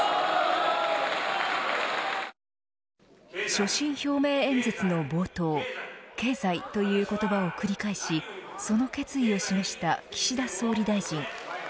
所信表明演説の冒頭経済という言葉を繰り返しその決意を示した岸田総理大臣。